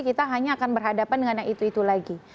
kita hanya akan berhadapan dengan yang itu itu lagi